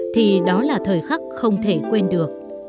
thì đó là thời khắc không thể quên được